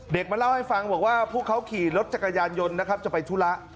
มาเล่าให้ฟังบอกว่าพวกเขาขี่รถจักรยานยนต์นะครับจะไปธุระ